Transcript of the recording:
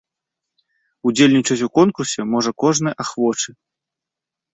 Удзельнічаць у конкурсе можа кожны ахвочы.